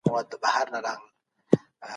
ازاده مطالعه د شعور پېچلتیاوې حل کوي.